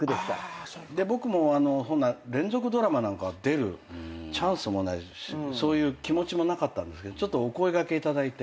僕も連続ドラマなんか出るチャンスもないしそういう気持ちもなかったんですけどお声掛けいただいて。